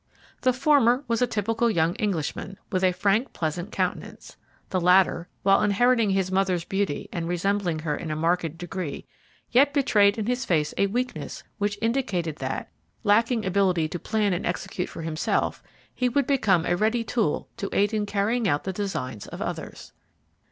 The former was a typical young Englishman, with a frank, pleasant countenance. The latter, while inheriting his mother's beauty and resembling her in a marked degree, yet betrayed in his face a weakness which indicated that, lacking ability to plan and execute for himself, he would become a ready tool to aid in carrying out the designs of others.